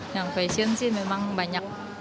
yang fashion sih memang banyak